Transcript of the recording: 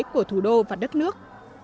của thủ đô và đất nước